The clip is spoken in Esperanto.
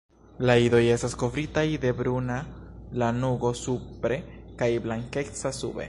La idoj estas kovritaj de bruna lanugo supre kaj blankeca sube.